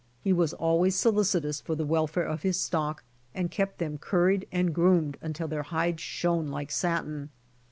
He was always solicitous for the welfare of his stock and kept them curried and groomed until their hides shone like satin.